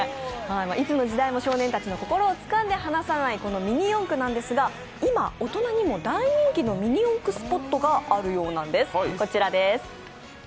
いつの時代も少年たちの心をつかんで離さないミニ四駆なんですが今、大人にも大人気のミニ四駆スポットがあるようなんです。